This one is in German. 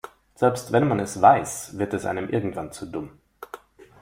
Selbst wenn man es weiß, wird es einem irgendwann zu dumm.